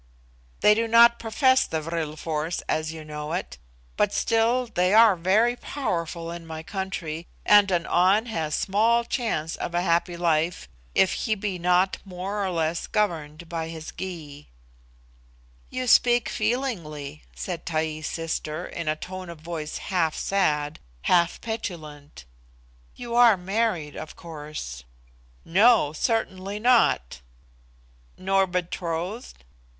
"They do not profess the vril force as you know it. But still they are very powerful in my country, and an An has small chance of a happy life if he be not more or less governed by his Gy." "You speak feelingly," said Taee's sister, in a tone of voice half sad, half petulant. "You are married, of course." "No certainly not." "Nor betrothed?"